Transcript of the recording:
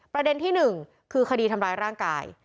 ประเด็นที่๑คือคดีทำร้ายร่างกาย